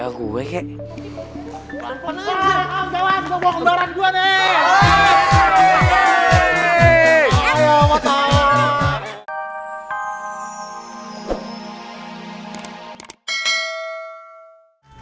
udah mampus bawa kembaran gua nih